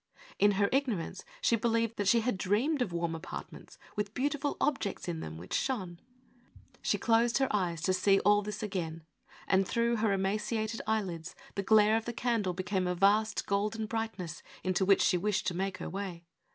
In her ignorance she believed that she had dreamed of warm apartments, with beautiful objects in them which shone ; she closed her eyes to see all this again, and through her emaciated eyelids the glare of the candle became a vast golden brightness into which she wished to make her way.